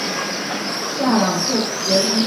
夏朗特河畔韦尔特伊。